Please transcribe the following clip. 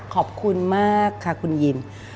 ขอบคุณมากค่ะคุณยิม